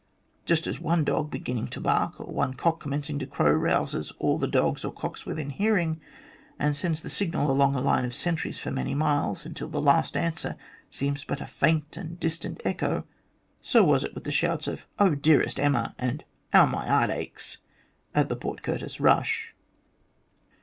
Just as one dog beginning to bark, or one cock commencing to crow, rouses all the dogs or cocks within hearing, and sends the signal along a line of sentries for many miles, until the last answer seems but a faint and distant echo, so was it with the shouts of " Oh, dearest Emma," and " 'Ow my 'art aches," at the Port Curtis rush.